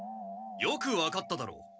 よく分かっただろう！